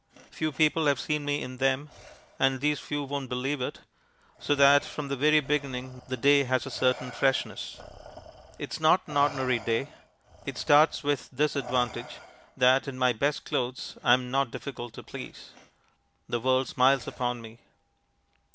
Few people have seen me in them (and these few won't believe it), so that from the very beginning the day has a certain freshness. It is not an ordinary day. It starts with this advantage, that in my best clothes I am not difficult to please. The world smiles upon me.